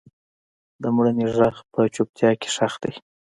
د مړینې غږ په چوپتیا کې ښخ دی.